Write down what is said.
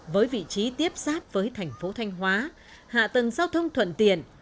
với vị trí tiếp sát với thành phố thanh hóa hạ tầng giao thông thuận tiện